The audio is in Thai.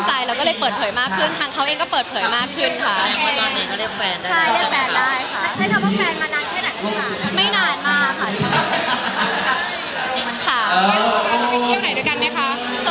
ถ้ามันเป็นเหมาะอยู่ปะทั้งกันแปลแล้วเนี้ย